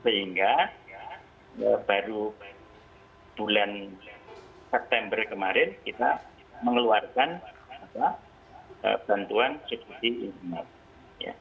sehingga baru bulan september kemarin kita mengeluarkan bantuan subsidi inap